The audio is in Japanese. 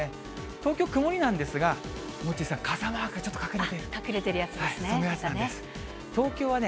東京、曇りなんですが、モッチーさん、傘マークがちょっと隠れて隠れてるやつですね。